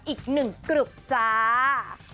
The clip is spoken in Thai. อีกหนึ่งกรุบจ้า